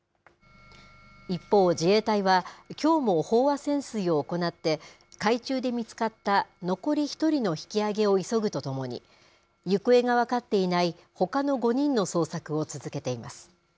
一方、自衛隊はきょうも飽和潜水を行って、海中で見つかった残り１人の引き揚げを急ぐとともに、行方が分かっていないほかの５人の捜索を続けています。